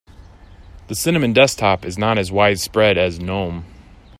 The cinnamon desktop is not as widespread as gnome.